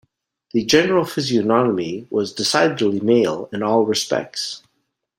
The general physiognomy was decidedly male in all respects.